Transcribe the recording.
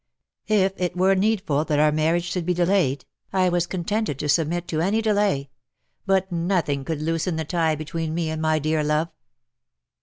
If it were needful that our marriage should be delayed, I was contented to submit to any delay ; but nothing could loosen the tie between me and my dear love."